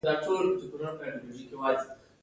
نباتي حجره یو کلک دیوال لري چې حجروي دیوال نومیږي